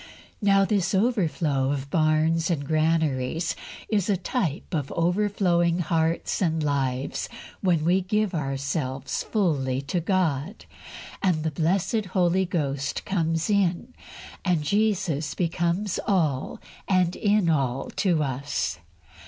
Now, this overflow of barns and granaries is a type of overflowing hearts and lives when we give ourselves fully to God, and the blessed Holy Ghost comes in, and Jesus becomes all and in all to us.